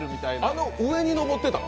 あの上に登ってたの？